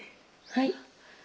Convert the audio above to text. はい。